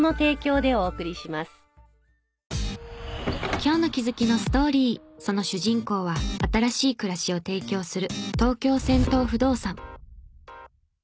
今日の気づきのストーリーその主人公は新しい暮らしを提供する。